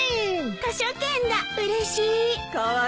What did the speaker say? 図書券だうれしい！